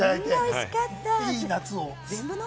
おいしかった。